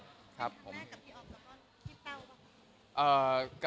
ครั้งแรกกับพี่ออฟแล้วกับพี่แต้วเหรอครับ